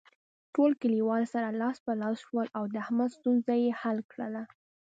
ټول کلیوال سره لاس په لاس شول او د احمد ستونزه یې حل کړله.